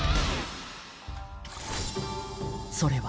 ［それは］